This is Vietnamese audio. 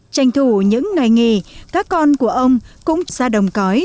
tranh thủ những ngày nghỉ các con của ông cũng ra đồng cõi